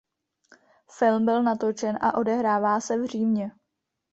Film byl natočen a odehrává se v Římě.